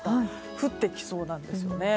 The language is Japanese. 降ってきそうなんですよね。